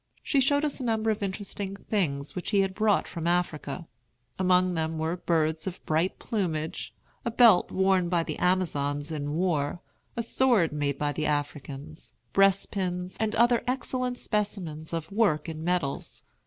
She showed us a number of interesting things which he had brought from Africa. Among them were birds of bright plumage, a belt worn by the Amazons in war, a sword made by the Africans, breastpins, and other excellent specimens of work in metals.